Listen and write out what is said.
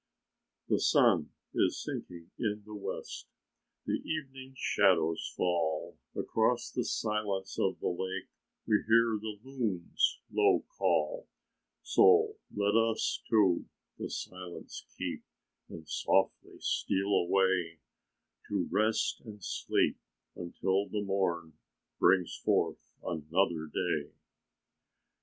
"The sun is sinking in the west, The evening shadows fall; Across the silence of the lake We hear the loon's low call. So let us, too, the silence keep, And softly steal away, To rest and sleep until the morn Brings forth another day."